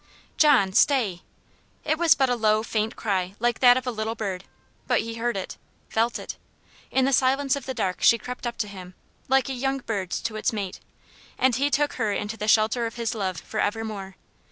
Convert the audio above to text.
"John, stay!" It was but a low, faint cry, like that of a little bird. But he heard it felt it. In the silence of the dark she crept up to him, like a young bird to its mate, and he took her into the shelter of his love for evermore.